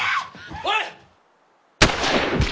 おい！